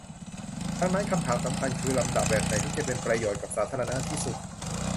ดังนั้นคำถามสำคัญคือ ลำดับแบบไหนที่จะเป็นประโยชน์กับสาธารณะที่สุด